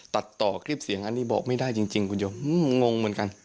ตัดต่อคลิปเสียงอันนี้บอกไม่ได้จริงคุณผู้ชมงงเหมือนกัน